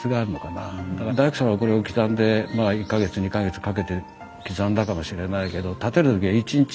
だから大工さんはこれを刻んでまあ１か月２か月かけて刻んだかもしれないけど建てる時は１日。